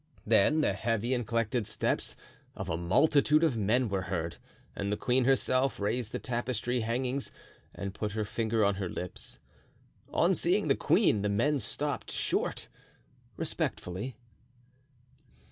Then the heavy and collected steps of a multitude of men were heard, and the queen herself raised the tapestry hangings and put her finger on her lips. On seeing the queen, the men stopped short, respectfully.